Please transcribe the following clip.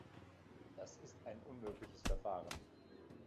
Das ist ein unmögliches Verfahren.